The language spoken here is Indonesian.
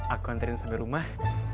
aku anterin sampai rumah